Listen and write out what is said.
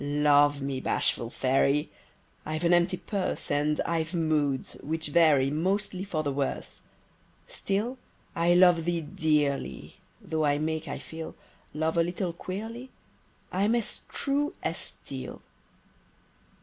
Love me, bashful fairy! I've an empty purse: And I've "moods," which vary; Mostly for the worse. Still, I love thee dearly: Though I make (I feel) Love a little queerly, I'm as true as steel.